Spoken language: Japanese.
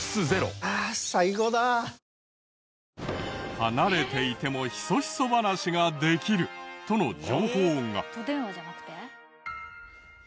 離れていてもヒソヒソ話ができるとの情報が。